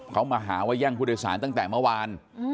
เขามาหาว่าแย่งผู้โดยสารตั้งแต่เมื่อวาน